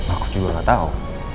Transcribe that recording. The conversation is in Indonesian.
aku juga gak tau